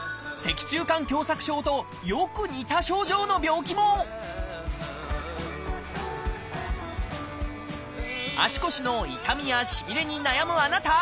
脊柱管狭窄症とよく似た症状の病気も足腰の痛みやしびれに悩むあなた！